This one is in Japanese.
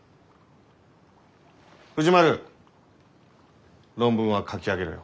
藤丸論文は書き上げろよ。